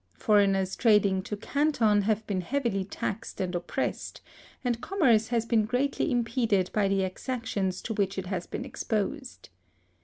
Foreigners trading to Canton have been heavily taxed and oppressed; and commerce has been greatly impeded by the exactions to which it has been exposed.